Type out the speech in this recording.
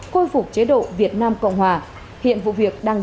khôi phục chế độ việt nam cộng hòa